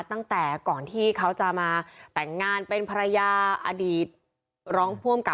ตั้งแต่ก่อนที่เขาจะมาแต่งงานเป็นภรรยาอดีตรองผู้อำกับ